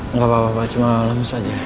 eh gak apa apa cuma lemes aja